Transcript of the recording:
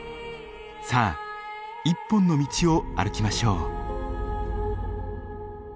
さあ一本の道を歩きましょう。